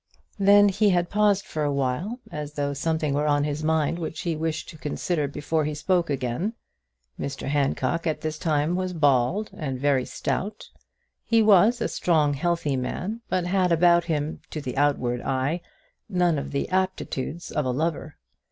Then he had paused for a while, as though something were on his mind which he wished to consider before he spoke again. Mr Handcock, at this time, was bald and very stout. He was a strong healthy man, but had about him, to the outward eye, none of the aptitudes of a lover.